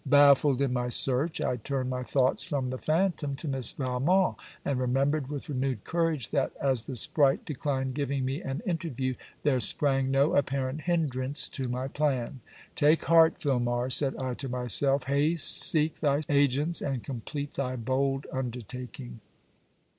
Baffled in my search, I turned my thoughts from the phantom to Miss Valmont; and remembered with renewed courage that, as the spright declined giving me an interview, there sprang no apparent hindrance to my plan. 'Take heart, Filmar,' said I to myself, 'haste seek thy agents and complete thy bold undertaking.'